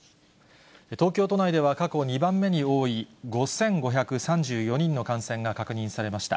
東京都内では過去２番目に多い、５５３４人の感染が確認されました。